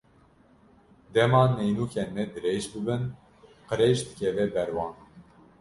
Dema neynûkên me dirêj bibin, qirêj dikeve ber wan.